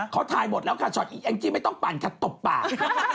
เขาถ่ายหมดแล้วค่ะช็อตอีกแองจี้ไม่ต้องปั่นค่ะตบปาก